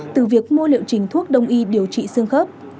từ việc mua liệu trình thuốc đông y điều trị xương khớp